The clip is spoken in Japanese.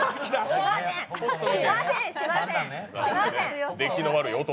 しません、しません。